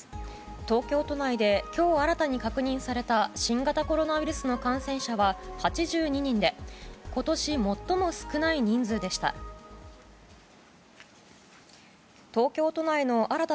東京都内で今日、新たに確認された新型コロナウイルスの感染者は８２人で今年、最も少ない人数でした。